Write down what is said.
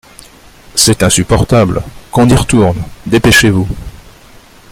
C’est insupportable ; qu’on y retourne ; dépêchez-vous.